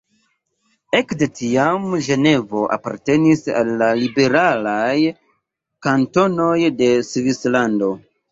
Ek de tiam Ĝenevo apartenis al la liberalaj kantonoj de Svislando.